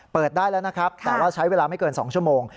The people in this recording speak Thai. เปิดได้แล้วนะครับแต่ว่าใช้เวลาไม่เกิน๒ชั่วโมง